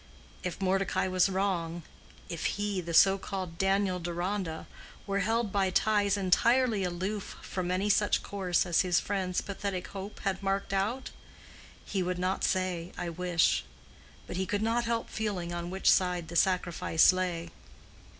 If Mordecai was wrong—if he, the so called Daniel Deronda, were held by ties entirely aloof from any such course as his friend's pathetic hope had marked out?—he would not say "I wish"; but he could not help feeling on which side the sacrifice lay.